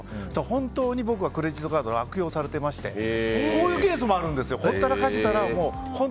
本当に僕のクレジットカードが悪用されてましてこういうケースもあるんですよ。